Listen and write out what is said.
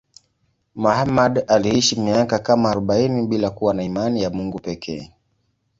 Muhammad aliishi miaka kama arobaini bila kuwa na imani ya Mungu pekee.